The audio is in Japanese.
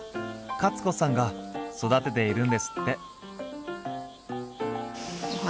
カツ子さんが育てているんですって。